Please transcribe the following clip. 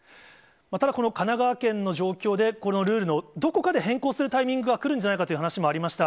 ただこの神奈川県の状況で、このルールのどこかで変更するタイミングは来るんじゃないかという話もありました。